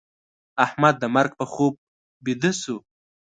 احمد د مرګ په خوب بيده شو.